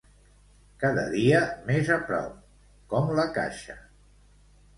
Cada dia més a prop, com la caixa.